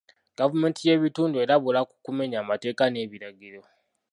Gavumenti y'ebitundu erabula ku kumenya amateeka n'ebiragiro.